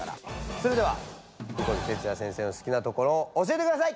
それではニコルＴＥＴＳＵＹＡ先生の好きなところを教えてください！